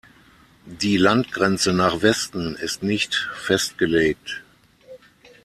Die Landgrenze nach Westen ist nicht festgelegt.